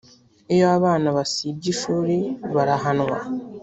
iyo abana basibye ishuri barahanwa